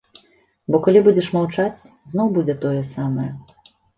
Бо калі будзеш маўчаць, зноў будзе тое самае.